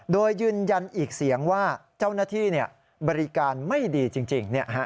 โดยยืนยันอีกเสียงว่าเจ้าหน้าที่บริการไม่ดีจริง